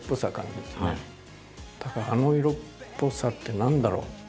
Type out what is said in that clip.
あの色っぽさって何だろう？